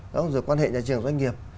rồi quan hệ nhà trường doanh nghiệp